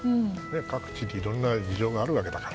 各地でいろんな事情があるわけだから。